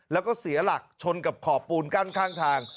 แล้วก็เสียหลักชนกับขอบปูนกั้นข้างทาง